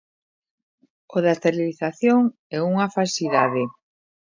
O da esterilización é unha falsidade.